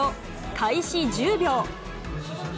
開始１０秒。